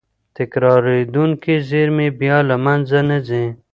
تکرارېدونکې زېرمې بیا له منځه نه ځي.